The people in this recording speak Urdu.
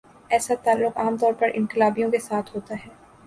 ایسا تعلق عام طور پر انقلابیوں کے ساتھ ہوتا ہے۔